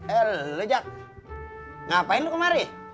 eh lejak ngapain tuh kemari